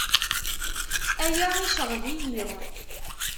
Aya iceɣɣeb-iyi.